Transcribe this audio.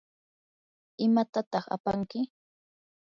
¿imatataq apanki?